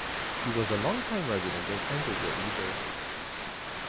He was a longtime resident of Englewood, New Jersey.